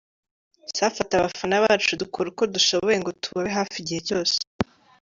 Safi ati “Abafana bacu dukora uko dushoboye ngo tubabe hafi igihe cyose.